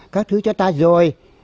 các thứ cho ta rồi